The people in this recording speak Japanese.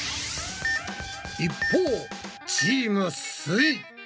一方チームすイ。